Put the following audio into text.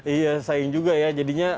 iya saing juga ya jadinya